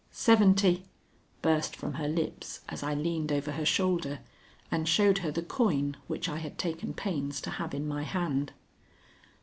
"Seventy," burst from her lips as I leaned over her shoulder and showed her the coin which I had taken pains to have in my hand.